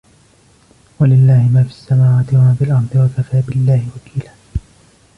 وَلِلَّهِ مَا فِي السَّمَاوَاتِ وَمَا فِي الْأَرْضِ وَكَفَى بِاللَّهِ وَكِيلًا